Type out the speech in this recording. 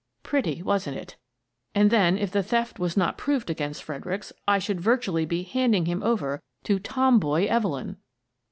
Pretty, wasn't it? And then, if the theft was not proved against Fredericks, I should virtually be handing him over to tomboy Evelyn